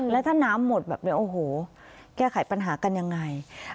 แล้วถ้าน้ำหมดแบบนี้โอ้โหแก้ไขปัญหากันยังไง